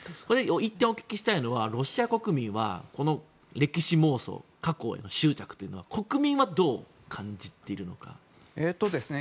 １点、お聞きしたいのはロシア国民はこの歴史妄想過去への執着というのは国民はどう感じているんでしょうか。